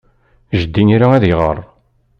Jeddi ira ad iɣer.